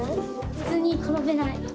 普通に転べない。